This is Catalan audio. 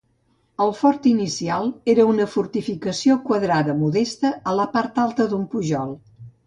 El fort inicial era una fortificació quadrada modesta a la part alta d'un pujol.